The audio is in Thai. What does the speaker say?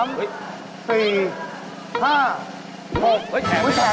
นะไปเถอะเขาบ้าดดิวะไอ้เดี๋ยวก่อน